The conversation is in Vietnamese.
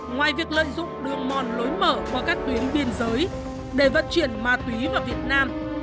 ngoài việc lợi dụng đường mòn lối mở qua các tuyến biên giới để vận chuyển ma túy vào việt nam